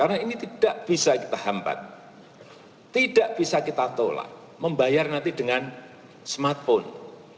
karena ini tidak bisa kita hambat tidak bisa kita tolak membayar nanti dengan smartphone